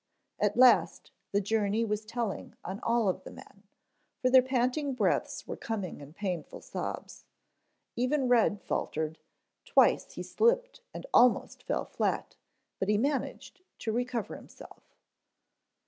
At last the journey was telling on all of the men, for their panting breaths were coming in painful sobs. Even Red faltered; twice he slipped and almost fell flat, but he managed to recover himself.